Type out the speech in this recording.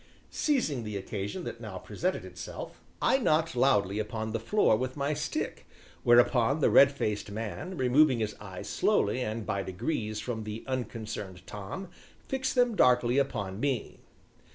Seizing the occasion that now presented itself, I knocked loudly upon the floor with my stick, whereupon the red faced man, removing his eyes slowly and by degrees from the unconcerned Tom, fixed them darkly upon me.